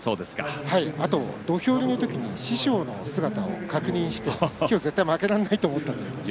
あと土俵入りの時に師匠の姿を確認して今日は絶対負けられないと思ったということです。